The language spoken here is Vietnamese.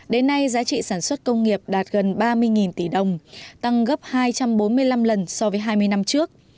đến nay giá trị sản xuất công nghiệp đạt gần ba mươi tỷ đồng tăng gấp hai trăm bốn mươi năm lần so với hai mươi năm trước